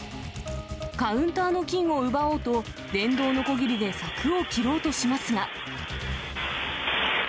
カウンターの金を奪おうと、電動のこぎりで柵を切ろうとしますが。